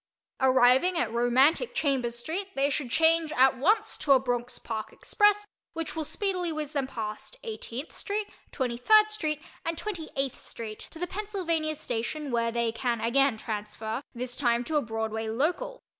Arriving at romantic Chambers St. they should change at once to a Bronx Park Express which will speedily whizz them past 18th St., 23rd St. and 28th St. to the Pennsylvania Station where they can again transfer, this time to a Broadway Local.